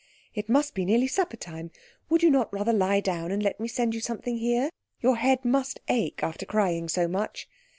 "It must be nearly supper time. Would you not rather lie down and let me send you something here? Your head must ache after crying so much.